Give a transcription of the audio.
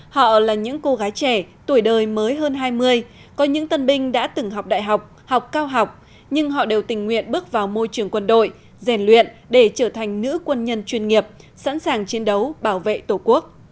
họ là những cô gái trẻ tuổi đời mới hơn hai mươi có những tân binh đã từng học đại học học cao học nhưng họ đều tình nguyện bước vào môi trường quân đội rèn luyện để trở thành nữ quân nhân chuyên nghiệp sẵn sàng chiến đấu bảo vệ tổ quốc